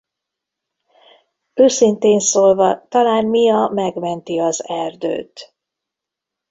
Őszintén szólva talán Mia megmenti az erdőt.